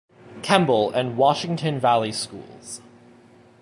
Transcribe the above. Kemble, and Washington Valley Schools.